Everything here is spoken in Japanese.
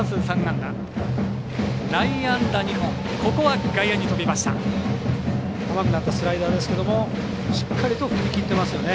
甘くなったスライダーですけどしっかりと振り切ってますよね。